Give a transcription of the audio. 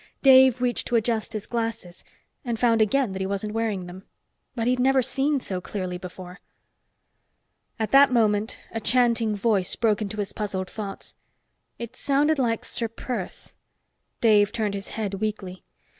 Dave reached to adjust his glasses, and found again that he wasn't wearing them. But he'd never seen so clearly before. At that moment, a chanting voice broke into his puzzled thoughts. It sounded like Ser Perth. Dave turned his head weakly.